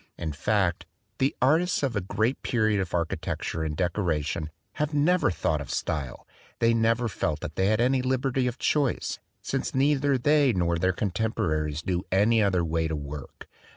In fact, the artists of a great period of architecture and decoration have never thought of style. They never felt that they had any liberty of choice, since neither they nor their contemporaries knew any other way to work.